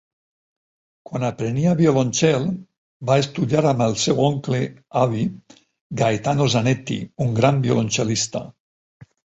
Quan aprenia violoncel, va estudiar amb el seu oncle avi, Gaetano Zanetti, un gran violoncel·lista.